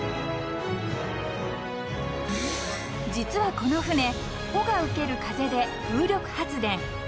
［実はこの船帆が受ける風で風力発電］